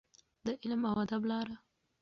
د علم او ادب لاره.